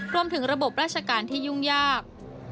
รวมถึงระบบราชการที่ยุ่งยาก